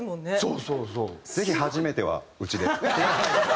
ぜひ初めてはうちで。